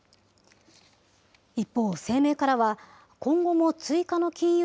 一方、声明からは今後も追加の金融